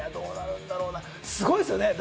すごいですよね。